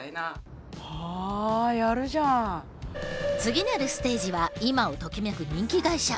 次なるステージは今をときめく人気会社。